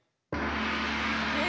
え？